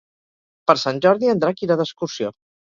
Per Sant Jordi en Drac irà d'excursió.